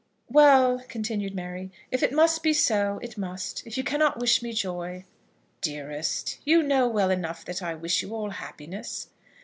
"Well," continued Mary, "if it must be so, it must. If you cannot wish me joy " "Dearest, you know well enough that I wish you all happiness."